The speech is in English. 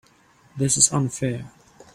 This is unfair.